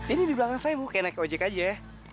ini di belakang saya mau kayak naik ojek aja